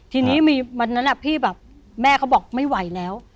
ทีนี้มันนั้นแม่เขาบอกไม่ไหวแล้ว